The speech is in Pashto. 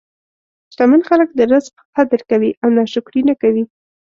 شتمن خلک د رزق قدر کوي او ناشکري نه کوي.